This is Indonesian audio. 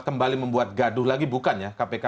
kembali membuat gaduh lagi bukan ya kpk